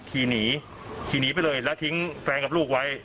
คีย์นีไปเลยแล้วทิ้งแฟนกับลูกไว้